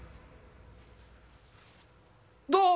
どう？